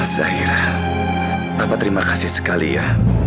zairah papa terima kasih sekali ya